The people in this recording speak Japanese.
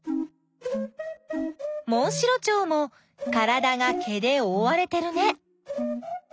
モンシロチョウもからだが毛でおおわれてるね。